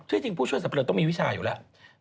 จริงผู้ช่วยสับเรือต้องมีวิชาอยู่แล้ว